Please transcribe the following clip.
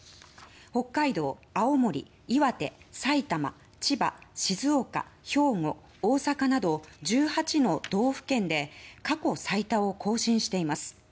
北海道、青森、岩手、埼玉千葉、静岡、兵庫、大阪など１８の道府県で過去最多を更新しています。